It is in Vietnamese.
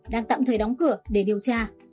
đang tạm thời đóng cửa để điều tra